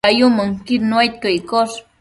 Dayumënquid nuaidquio iccosh